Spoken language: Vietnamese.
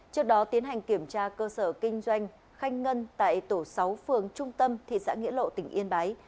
trước đó tiến hành kiểm tra cơ sở kinh doanh khanh ngân tại tổ sáu phường trung tâm thị xã nghĩa lộ tỉnh yên bái